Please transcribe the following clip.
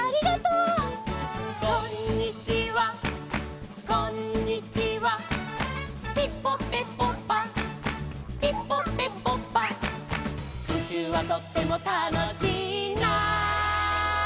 「うちゅうはとってもたのしいな」